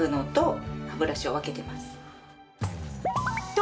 と